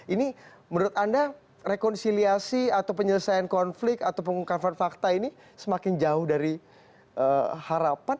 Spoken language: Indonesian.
ini menurut anda rekonsiliasi atau penyelesaian konflik atau pengungkapan fakta ini semakin jauh dari harapan